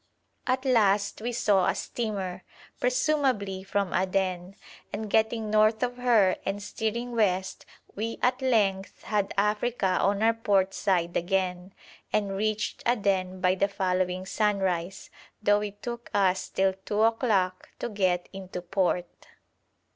At last we saw a steamer, presumably from Aden, and getting north of her and steering west we at length had Africa on our port side again, and reached Aden by the following sunrise, though it took us till two o'clock to get into port.